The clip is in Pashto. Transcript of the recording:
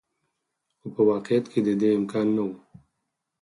خو په واقعیت کې د دې امکان نه و.